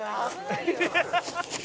「ハハハハ！」